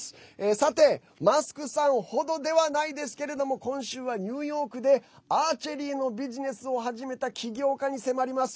さて、マスクさん程ではないですけれども今週はニューヨークでアーチェリーのビジネスを始めた起業家に迫ります。